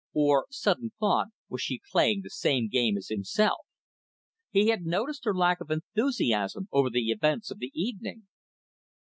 Or, sudden thought, was she playing the same game as himself? He had noticed her lack of enthusiasm over the events of the evening.